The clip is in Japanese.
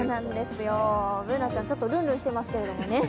Ｂｏｏｎａちゃん、ちょっとルンルンしてますけどもね。